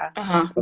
itu di provinsi